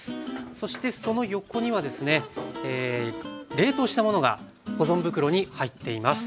そしてその横にはですね冷凍したものが保存袋に入っています。